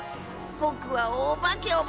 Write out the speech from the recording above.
ぼくはおばけオバ。